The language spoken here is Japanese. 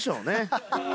ハハハハ！